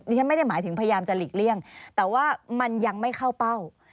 ฉันไม่ได้หมายถึงพยายามจะหลีกเลี่ยงแต่ว่ามันยังไม่เข้าเป้า